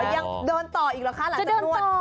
ยังเดินต่ออีกเหรอคะหลังจากนวด